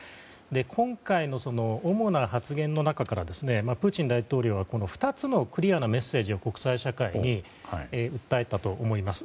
今回の主な発言の中からプーチン大統領は２つのクリアなメッセージを国際社会に訴えたと思います。